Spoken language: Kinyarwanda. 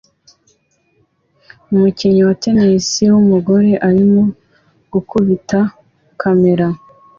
Umukinnyi wa tennis wumugore arimo gukubita kamera